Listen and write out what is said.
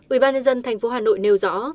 ủy ban nhân dân thành phố hà nội nêu rõ